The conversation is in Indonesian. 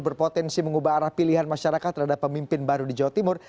berpotensi mengubah arah pilihan masyarakat terhadap pemimpin baru di jawa timur